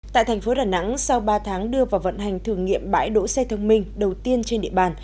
tại thành phố đà nẵng sau ba tháng đưa vào vận hành thử nghiệm bãi đỗ xe thông minh đầu tiên trên địa bàn